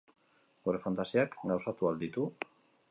Gure fantasiak gauzatu ahal ditu?